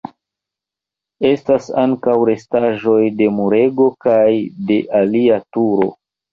Estas ankaŭ restaĵoj de murego kaj de alia turo.